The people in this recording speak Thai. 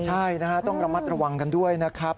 ใช่นะฮะต้องระมัดระวังกันด้วยนะครับ